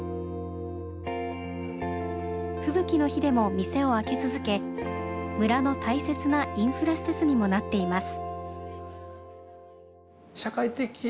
吹雪の日でも店を開け続け村の大切なインフラ施設にもなっています。